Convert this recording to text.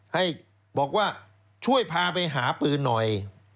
ให้บอกว่าช่วยพาไปหาปืนหน่อย